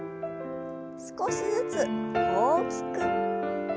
少しずつ大きく。